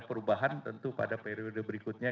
perubahan tentu pada periode berikutnya